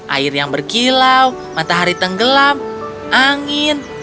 air yang berkilau matahari tenggelam angin